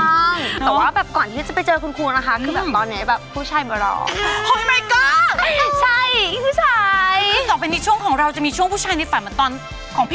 ถูกต้องแต่ว่าแบบก่อนที่จะไปเจอคุณครูนะคะคือแบบตอนนี้แบบผู้ชายมาร้อง